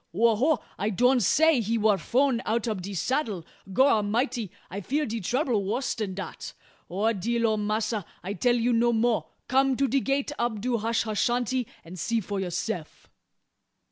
"Ho! ho! I doan say he war frown out ob de saddle. Gorramity! I fear de trouble wuss dan dat. O! dear ole Massa, I tell you no mo'. Come to de gate ob do hashashanty, and see fo youseff."